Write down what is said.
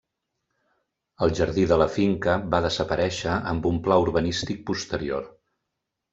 El jardí de la finca va desaparèixer amb un pla urbanístic posterior.